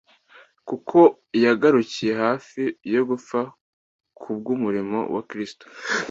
kuko yagarukiye hafi yo gupfa ku bw’umurimo wa Kristo;